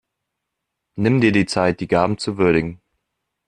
Nimm dir die Zeit, die Gaben zu würdigen.